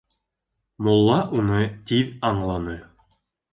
Мулла уны тиҙ аңланы: